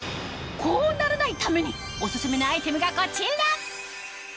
こうならないためにオススメのアイテムがこちら！